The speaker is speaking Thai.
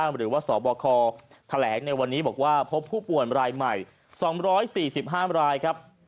หรือว่าสบคแถลงในวันนี้บอกว่าพบผู้ป่วยรายใหม่๒๔๕รายครับ